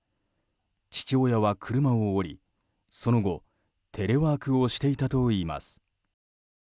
父親は車を降りその後、テレワークをしていたといいます。